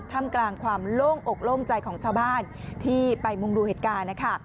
ทำกลางความโล่งอกโล่งใจของชาวบ้านที่ไปมุงดูเหตุการณ์นะคะ